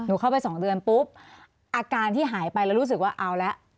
เข้าไป๒เดือนปุ๊บอาการที่หายไปแล้วรู้สึกว่าเอาละ